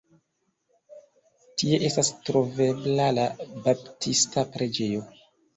Tie estas trovebla la Baptista Preĝejo.